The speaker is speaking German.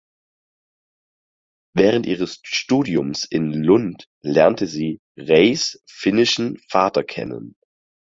Während ihres Studiums in Lund lernte sie Reys finnischen Vater kennen.